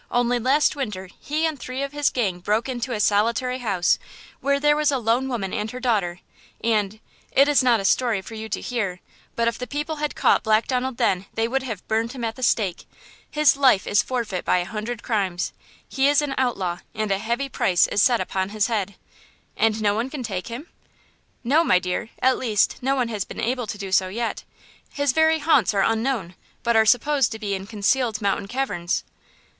Only last winter he and three of his gang broke into a solitary house where there was a lone woman and her daughter, and–it is not a story for you to hear; but if the people had caught Black Donald then they would have burned him at the stake! His life is forfeit by a hundred crimes. He is an outlaw, and a heavy price is set upon his head." "And can no one take him?" "No, my dear; at least, no one has been able to do so yet. His very haunts are unknown, but are supposed to be in concealed mountain caverns."